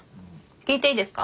聞いていいですか？